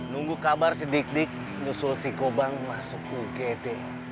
nunggu kabar si dikdik nyusul si gobang masuk ugd